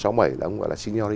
ông gọi là senior